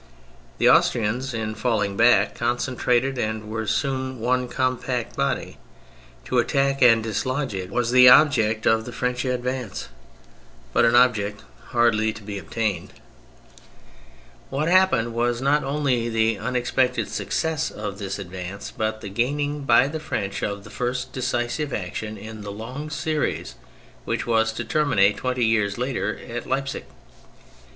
The Austrians in falling back concentrated and were soon one compact body : to attack and dislodge it was the object of the French advance, but an object hardly to be attained. G 194 THE FRENCH REVOLUTION What happened was not only the un expected success of this advance, but the gaining by the French of the first decisive action in the long series which was to ter minate twenty years later at Leipsic.